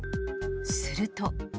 すると。